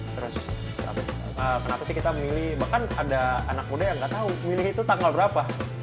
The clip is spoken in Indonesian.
punt pi lil iraran anjir itu pilih tanggal berat